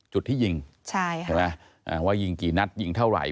จุดที่ยิงใช่ไหมว่ายิงกี่นัดยิงเท่าไหร่